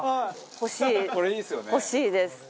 欲しいです。